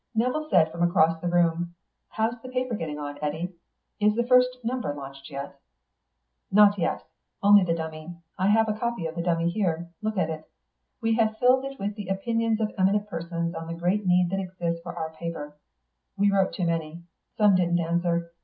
Nevill said from across the room, "How's the paper getting on, Eddy? Is the first number launched yet?" "Not yet. Only the dummy. I have a copy of the dummy here; look at it. We have filled it with the opinions of eminent persons on the great need that exists for our paper. We wrote to many. Some didn't answer.